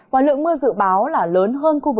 và lượng mưa dự báo là lớn hơn